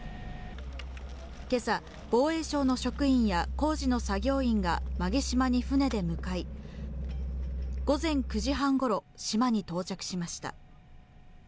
けさ、防衛省の職員や工事の作業員が馬毛島に船で向かい、午前９時半ごろ、島に到着しました。